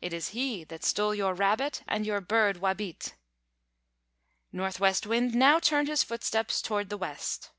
"It is he that stole your Rabbit and your Bird Wābīt." Northwest Wind now turned his footsteps toward the west.